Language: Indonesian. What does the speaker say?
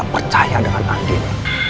lo gak percaya dengan andin